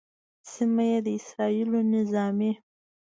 سیمه کې د اسرائیلو نظامي